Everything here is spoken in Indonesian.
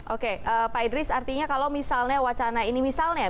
oke pak idris artinya kalau misalnya wacana ini misalnya